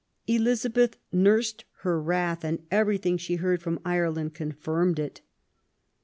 Elizabeth nursed her wrath, and everything she heard from Ireland confirmed it.